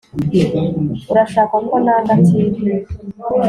urashaka ko nanga tv